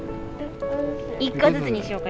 一個ずつにしようか。